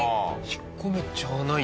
引っ込めちゃわないんですね